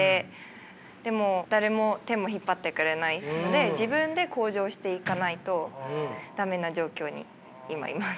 でも誰も手も引っ張ってくれないので自分で向上していかないと駄目な状況に今います。